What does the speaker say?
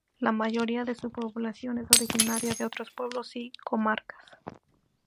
La mayoría de su población es originaria de otros pueblos y comarcas.